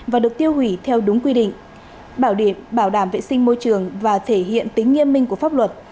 và được tiêu hủy theo đúng quy định bảo đảm vệ sinh môi trường và thể hiện tính nghiêm minh của pháp luật